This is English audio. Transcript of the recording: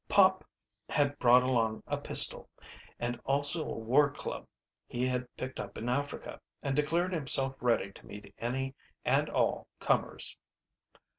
Pop had brought along a pistol, and also a war club he had picked up in Africa, and declared himself ready to meet any and all comers.